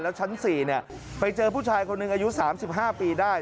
ชั้น๔ไปเจอผู้ชายคนหนึ่งอายุ๓๕ปีได้